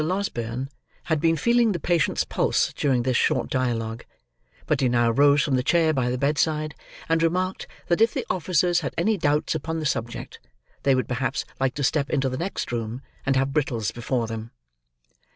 Losberne had been feeling the patient's pulse during this short dialogue; but he now rose from the chair by the bedside, and remarked, that if the officers had any doubts upon the subject, they would perhaps like to step into the next room, and have Brittles before them.